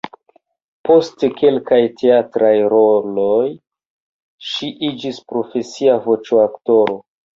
Post kelkaj teatraj roloj ŝi iĝis profesia voĉoaktoro.